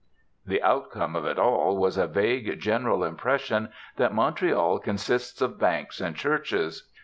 The outcome of it all was a vague general impression that Montreal consists of banks and churches.